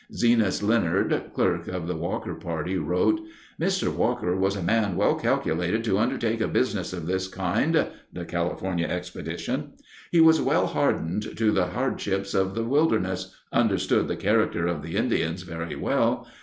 Zenas Leonard, clerk of the Walker party, wrote, "Mr. Walker was a man well calculated to undertake a business of this kind [the California expedition]. He was well hardened to the hardships of the wilderness—understood the character of the Indians very well